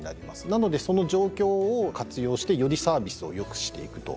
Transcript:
なのでその状況を活用してよりサービスを良くしていくと。